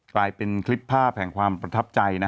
กลายเป็นคลิปภาพแห่งความประทับใจ